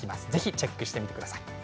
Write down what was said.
チェックしてください。